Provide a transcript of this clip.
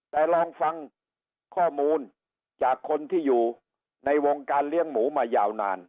แต่ลองฟังข้อมูลจากคนที่อยู่ในวงการเลี้ยงหมูมายาวนาน